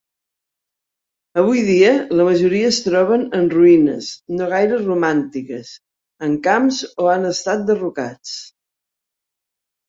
Avui dia, la majoria es troben en ruïnes no gaire romàntiques en camps o han estat derrocats.